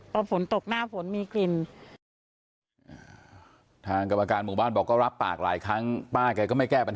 พอฝนตกหน้าฝนมีกลิ่น